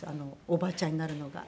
おばあちゃんになるのが。